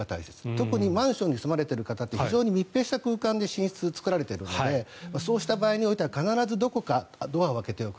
特にマンションに住まれている方って非常に密閉した空間で寝室は作られているのでそうした場合においては必ずどこかドアを開けておく。